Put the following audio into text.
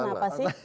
itu kenapa sih